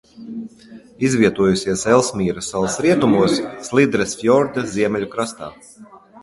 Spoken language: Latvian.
Izvietojusies Elsmīra salas rietumos Slidres fjorda ziemeļu krastā.